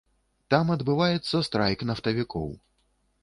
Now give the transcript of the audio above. Там адбываецца страйк нафтавікоў.